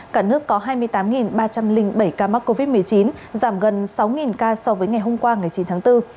cả nước có hai mươi tám ba trăm linh bảy ca mắc covid một mươi chín giảm gần sáu ca so với ngày hôm qua ngày chín tháng bốn